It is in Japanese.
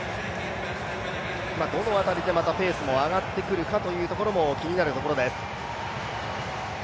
どの辺りでまたペースも上がってくるかというところも気になるところです。